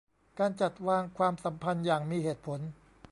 การจัดวางความสัมพันธ์อย่างมีเหตุผล